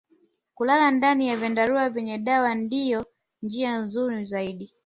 Kulala ndani ya vyandarua vyenye dawa ndiyo njia nzuri zaidi